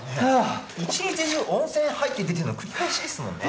一日中温泉入って出ての繰り返しですもんね。